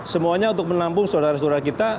semuanya untuk menampung saudara saudara kita